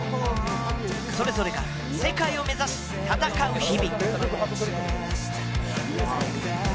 それぞれが世界を目指し戦う日々。